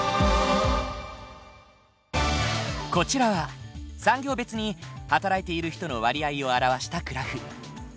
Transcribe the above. こちらは産業別に働いている人の割合を表したグラフ。